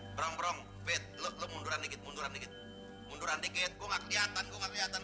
prong prong fit lo munduran dikit munduran dikit munduran dikit gue gak keliatan gue gak keliatan